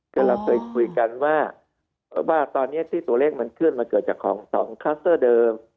คือเราเคยคุยกันว่าตอนนี้ที่ตัวเลขมันขึ้นมาเกิดจากของ๒คลัสเตอร์เดิม